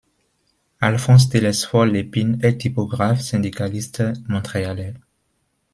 Alphonse-Télesphore Lépine est typographe syndicaliste montréalais.